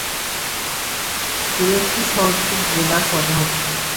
ফিরোজপুর শহরটির জেলা সদর।